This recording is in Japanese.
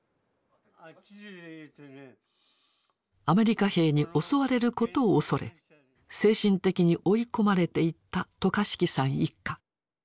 アメリカ兵に襲われることを恐れ精神的に追い込まれていった渡嘉敷さん一家。